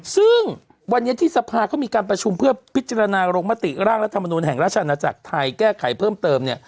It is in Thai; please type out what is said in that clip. ซึ่งวันนี้ที่สภาเขามีการประชุมเพื่อพิจารณาลงมติร่างรัฐมนุนแห่งราชอาณาจักรไทยแก้ไขเพิ่มเติมเนี่ย